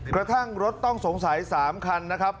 กระทั่งรถต้องสงสัย๓คันนะครับ